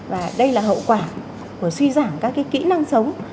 và đây là hậu quả của suy giảng các cái kĩ năng sống